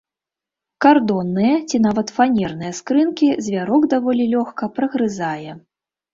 Кардонныя ці нават фанерныя скрынкі звярок даволі лёгка прагрызае.